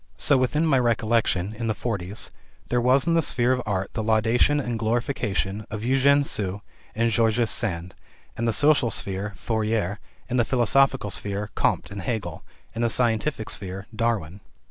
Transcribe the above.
So within my recollection, in the forties, there was in the sphere of art the laudation and glorification of Eugène Sue, and Georges Sand; and in the social sphere Fourier; in the philosophical sphere, Comte and Hegel; in the scientific sphere, Darwin.